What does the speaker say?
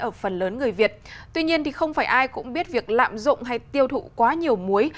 ở phần lớn người việt tuy nhiên không phải ai cũng biết việc lạm dụng hay tiêu thụ quá nhiều muối